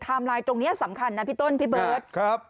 ทามไลน์ตรงนี้สำคัญนะพี่ต้นพี่เบิร์ท